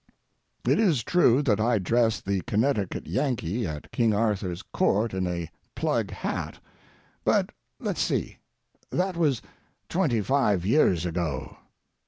It is true that I dressed the Connecticut Yankee at King Arthur's Court in a plug hat, but, let's see, that was twenty five years ago.